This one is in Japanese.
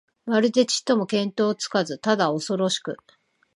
まるでちっとも見当つかず、ただおそろしく、